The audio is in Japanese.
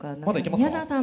宮沢さん。